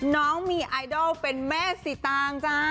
น้องมีไอดอลเป็นแม่สีตางจ้า